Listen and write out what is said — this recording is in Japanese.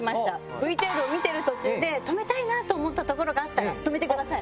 ＶＴＲを見てる途中で止めたいなと思ったところがあったら止めてください。